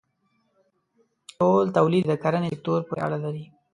ټول تولید یې د کرنې سکتور پورې اړه لري.